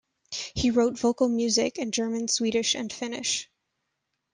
He wrote vocal music in German, Swedish and Finnish.